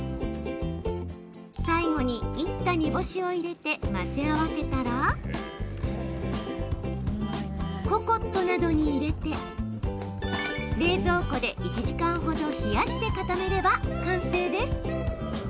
最後に、いった煮干しを入れて混ぜ合わせたらココットなどに入れて冷蔵庫で１時間ほど冷やして固めれば完成です。